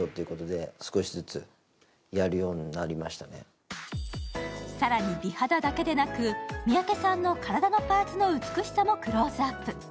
メイクさんが更に、美肌だけでなく、三宅さんの体のパーツの美しさもクローズアップ。